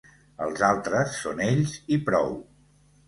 Els altres són ells i prou.